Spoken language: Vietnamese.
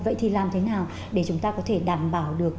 vậy thì làm thế nào để chúng ta có thể đảm bảo được